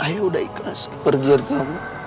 ayah udah ikhlas pergi dari kamu